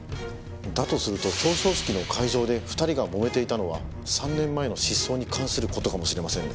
だとすると表彰式の会場で２人がもめていたのは３年前の失踪に関する事かもしれませんね。